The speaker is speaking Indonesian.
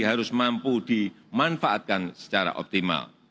harus mampu dimanfaatkan secara optimal